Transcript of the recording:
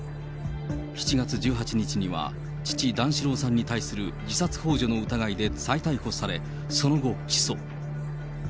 ７月１８日には、父、段四郎さんに対する自殺ほう助の疑いで再逮捕され、その後、起訴。